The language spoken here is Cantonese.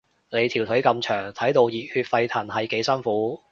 你條腿咁長，睇到熱血沸騰係幾辛苦